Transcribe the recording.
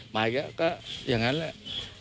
หมายถึงก็อย่างนั้นแหละ